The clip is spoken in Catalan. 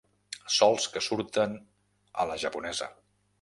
Sols que surten, a la japonesa.